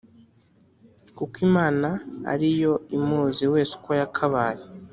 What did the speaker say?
kuko Imana ari yo imuzi wese uko yakabaye,